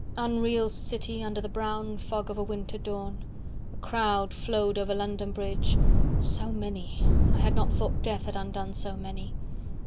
Unreal City, 60 Under the brown fog of a winter dawn, A crowd flowed over London Bridge, so many, I had not thought death had undone so many.